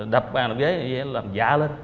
đập bàn đập giấy làm dạ lên